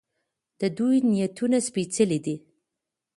د دوی نیتونه سپیڅلي دي.